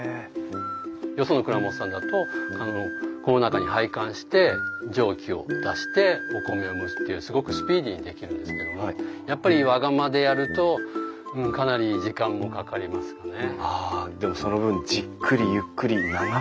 よその蔵元さんだとこの中に配管して蒸気を出してお米を蒸すというすごくスピーディーにできるんですけどもやっぱりあでもその分じっくりゆっくり長く。